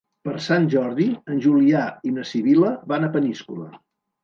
Per Sant Jordi en Julià i na Sibil·la van a Peníscola.